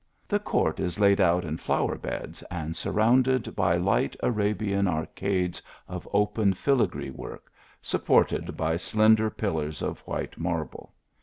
The court is laid out in flower beds, and surrounded by light Arabian arcades of open filigree work, supported by slender pillars of white marble.